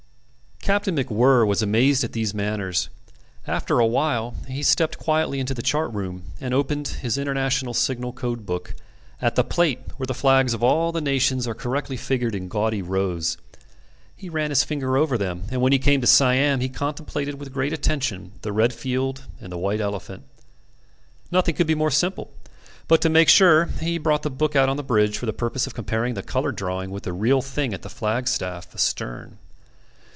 Captain MacWhirr was amazed at these manners. After a while he stepped quietly into the chart room, and opened his International Signal Code book at the plate where the flags of all the nations are correctly figured in gaudy rows. He ran his finger over them, and when he came to Siam he contemplated with great attention the red field and the white elephant. Nothing could be more simple; but to make sure he brought the book out on the bridge for the purpose of comparing the coloured drawing with the real thing at the flagstaff astern.